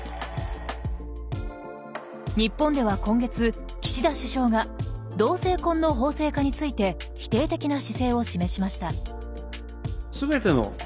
日本では今月岸田首相が同性婚の法制化について否定的な姿勢を示しました。